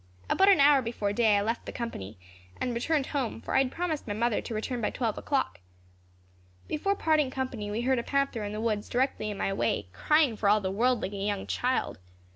About an hour before day I left the company, and returned home; for I had promised my mother to return by twelve o'clock. Before parting company, we heard a panther in the woods directly in my way, crying for all the world like a young child.